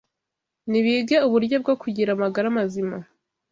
Nibige uburyo bwo kugira amagara mazima